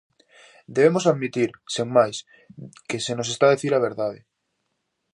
Debemos admitir, sen máis, que se nos está a dicir a verdade?